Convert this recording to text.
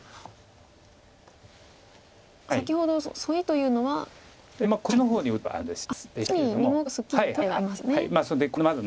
先ほどソイというのは？こっちの方に打ってれば安全。